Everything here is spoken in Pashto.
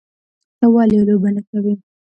_ته ولې لوبه نه کوې؟